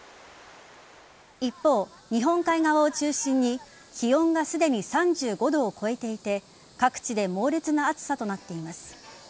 一方、日本海側を中心に気温がすでに３５度を超えていて各地で猛烈な暑さとなっています。